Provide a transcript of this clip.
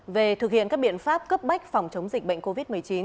về thực hiện các biện pháp cấp bách phòng chống dịch bệnh covid một mươi chín